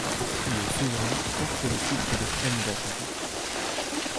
Le souverain porte le titre de Mbang.